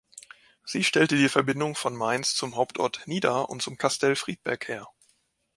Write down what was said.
Sie stellte die Verbindung von Mainz zum Hauptort Nida und zum Kastell Friedberg her.